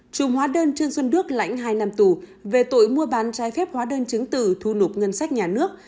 trùm hóa đơn trương xuân đức lãnh hai năm tù về tội mua bán trái phép hóa đơn chứng tử thu nụp ngân sách nhà nước